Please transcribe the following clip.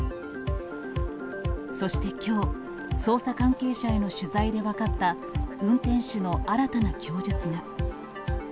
そしてきょう、捜査関係者への取材で分かった、運転手の新たな供述が。